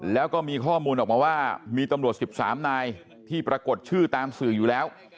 แล้วก็มีข้อมูลออกมาว่ามีตำรวจ๑๓นายที่ปรากฏชื่อตามสื่ออยู่แล้ว